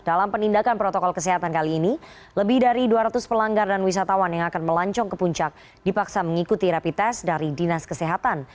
dalam penindakan protokol kesehatan kali ini lebih dari dua ratus pelanggar dan wisatawan yang akan melancong ke puncak dipaksa mengikuti rapi tes dari dinas kesehatan